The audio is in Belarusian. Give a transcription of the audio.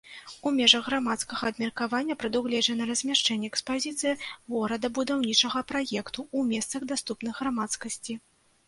У межах грамадскага абмеркавання прадугледжана размяшчэнне экспазіцыі горадабудаўнічага праекту ў месцах, даступных грамадскасці.